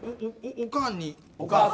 おかんに。